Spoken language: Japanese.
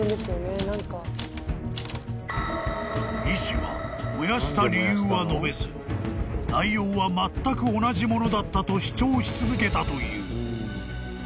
［医師は燃やした理由は述べず内容はまったく同じものだったと主張し続けたという］